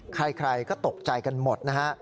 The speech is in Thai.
ใครก็ตกใจกันหมด